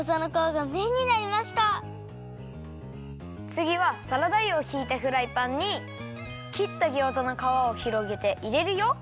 つぎはサラダ油をひいたフライパンにきったギョーザのかわをひろげていれるよ。